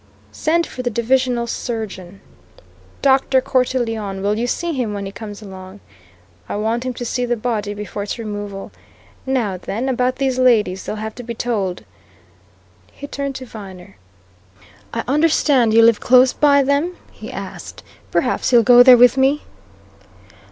Send for the divisional surgeon. Dr. Cortelyon, will you see him when he comes along? I want him to see the body before its removal. Now, then, about these ladies they'll have to be told." He turned to Viner. "I understand you live close by them?" he asked. "Perhaps you'll go there with me?"